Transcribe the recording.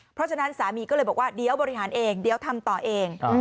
เพราะฉะนั้นสามีก็เลยบอกว่าเดี๋ยวบริหารเองเดี๋ยวทำต่อเอง